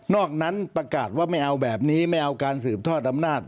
อกนั้นประกาศว่าไม่เอาแบบนี้ไม่เอาการสืบทอดอำนาจ